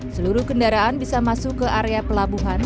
seluruh kendaraan bisa masuk ke area pelabuhan